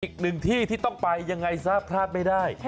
อีกหนึ่งที่ที่ต้องไปยังไงซะพลาดไม่ได้